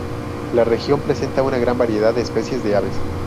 La región presenta una gran variedad de especies de aves.